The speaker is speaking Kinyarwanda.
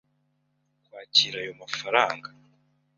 kwakira ayo mafaranga.